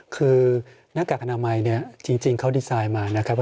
คือหน้ากากอนามัยเนี่ยจริงเขาดีไซน์มานะครับ